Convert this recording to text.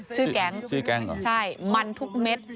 ชื่อแก๊งใช่มันทุกเม็ด